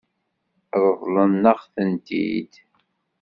Ṛeḍlen-aɣ-tent-id?